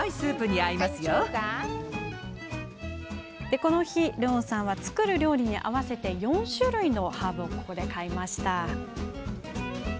この日、ルオンさんは作る料理に合わせて４種類のハーブを買いました。